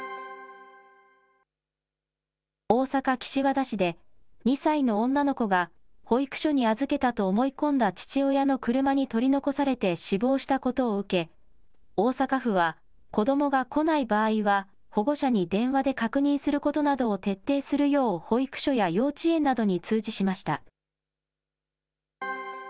大阪・岸和田市で２歳の女の子が、保育所に預けたと思い込んだ父親の車に取り残されて死亡したことを受け、大阪府は子どもが来ない場合は、保護者に電話で確認することなどを徹底するよう、保育所や幼稚園などに通知しました。